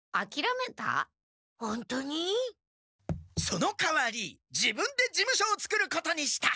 そのかわり自分で事務所を作ることにした。